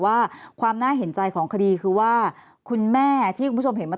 ว่าความน่าเห็นใจของคดีคือว่าคุณแม่ที่คุณผู้ชมเห็นมา